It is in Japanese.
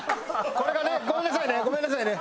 これがねごめんなさいねごめんなさいね。